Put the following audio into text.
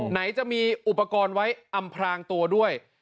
ไหนจะมีอุปกรณ์ไว้อำพรางตัวด้วย